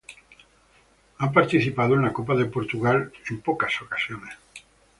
Han participado en la Copa de Portugal en pocas ocasiones.